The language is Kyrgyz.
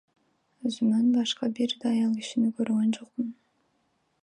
Өзүмөн башка бир да аял кишини көргөн жокмун.